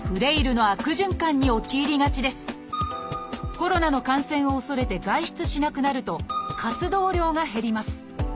コロナの感染を恐れて外出しなくなると活動量が減ります。